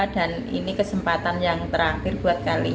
dan ini kesempatan yang terakhir buat kalian